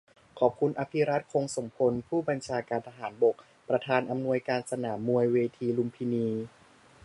ขอบคุณ อภิรัชต์ คงสมพงษ์ ผู้บัญชาการทหารบก ประธานอำนวยการสนามมวยเวทีลุมพินี